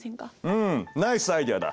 うんナイスアイデアだ！